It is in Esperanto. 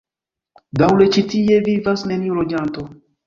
Daŭre ĉi tie vivas neniu loĝanto.